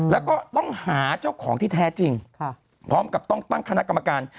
แล้วก็ต้องหาเจ้าของที่แท้จริงพร้อมกับต้องตั้งคณะกรรมการ